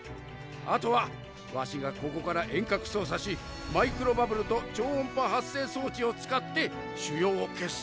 あとはワシがここから遠隔操作しマイクロバブルと超音波発生装置を使って腫瘍を消す。